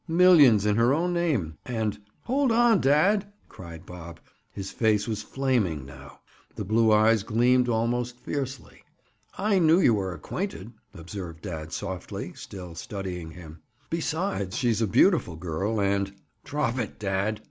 Millions in her own name, and—" "Hold on, dad!" cried Bob. His face was flaming now. The blue eyes gleamed almost fiercely. "I knew you were acquainted," observed dad softly, still studying him. "Besides she's a beautiful girl and—" "Drop it, dad!"